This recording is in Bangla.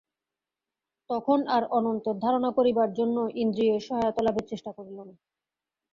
তখন আর অনন্তের ধারণা করিবার জন্য ইন্দ্রিয়ের সহায়তা-লাভের চেষ্টা রহিল না।